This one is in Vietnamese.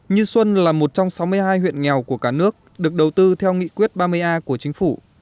như xuân là một trong sáu mươi hai huyện nghèo của cả nước được đầu tư theo nghị quyết ba mươi a của chính phủ